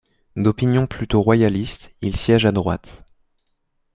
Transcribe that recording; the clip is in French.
D'opinions plutôt royalistes, il siège à droite.